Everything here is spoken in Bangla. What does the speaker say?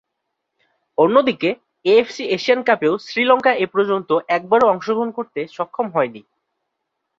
অন্যদিকে, এএফসি এশিয়ান কাপেও শ্রীলঙ্কা এপর্যন্ত একবারও অংশগ্রহণ করতে সক্ষম হয়নি।